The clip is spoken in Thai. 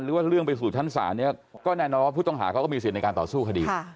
เรื่องไปสู่ชั้นศาลเนี่ยก็แน่นอนว่าผู้ต้องหาเขาก็มีสิทธิ์ในการต่อสู้คดี